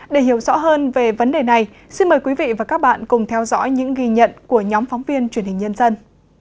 để hiểu rõ hơn về vấn đề này xin mời quý vị và các bạn cùng theo dõi những ghi nhận của nhóm phóng viên truyền hình nhân dân